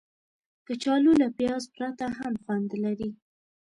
کچالو له پیاز پرته هم خوند لري